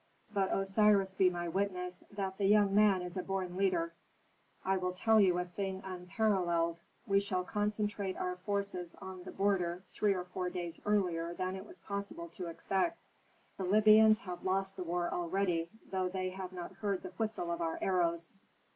But Osiris be my witness that that young man is a born leader. I will tell you a thing unparalleled: We shall concentrate our forces on the border three or four days earlier than it was possible to expect. The Libyans have lost the war already, though they have not heard the whistle of our arrows."